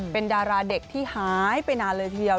เป็นดาราเด็กที่หายไปนานเลยทีเดียว